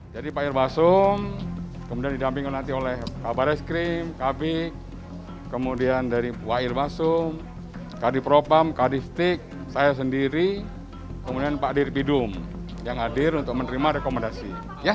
jadi pak irbasum kemudian didampingkan nanti oleh kabar eskrim kabik kemudian dari wahir basum kadipropam kadiftik saya sendiri kemudian pak diripidum yang hadir untuk menerima rekomendasi